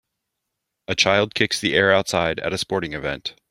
A child kicks the air outside at a sporting event.